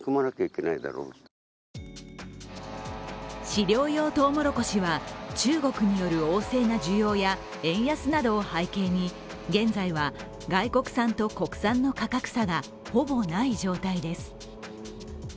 飼料用とうもろこしは中国による旺盛な需要や円安などを背景に現在は外国産と国産の価格差がほぼない状態です。